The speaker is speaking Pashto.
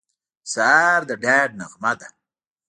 سهار د ډاډ نغمه ده.